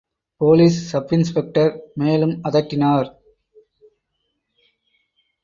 Police sub inspector மேலும் அதட்டினார்.